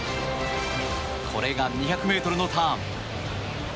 これが２００ｍのターン。